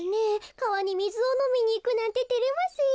かわにみずをのみにいくなんててれますよ。